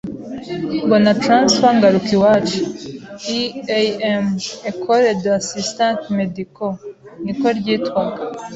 mbona transfer ngaruka iwacu (EAM) Ecole des assistant medicaux niko ryitwaga